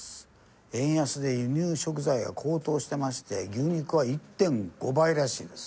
円安で輸入食材が高騰してまして牛肉は１．５倍らしいです。